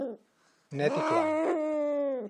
Net i clar.